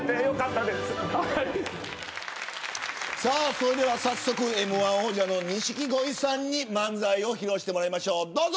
それでは早速Ｍ‐１王者の錦鯉さんに漫才を披露してもらいましょうどうぞ。